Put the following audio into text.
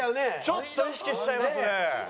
ちょっと意識しちゃいますね。